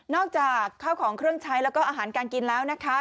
อกจากข้าวของเครื่องใช้แล้วก็อาหารการกินแล้วนะคะ